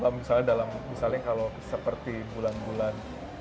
misalnya kalau seperti bulan bulan